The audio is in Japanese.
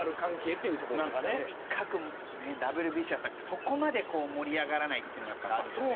とにかくＷＢＣはそこまで盛り上がらないというのがあるので。